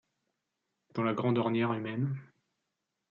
Dans la grande ornière humaine